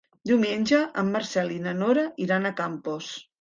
Diumenge en Marcel i na Nora iran a Campos.